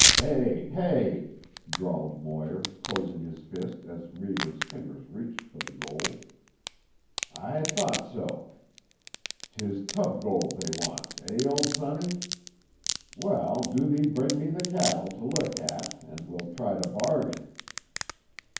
"Eh—hey!" drawled Moir, closing his fist as Reivers' fingers reached for the gold. "I thought so. 'Tis tub gold thy wants, eh, old sonny? Well, do thee bring me tuh cattle to look at and we'll try to bargain."